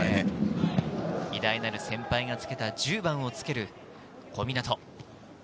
偉大なる先輩がつけた１０番をつける小湊。